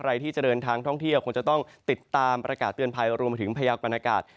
ใครที่จะเดินทางท่องเที่ยวคงจะต้องติดตามประกาศเตือนภัยรวมถึงพยากรณากาศ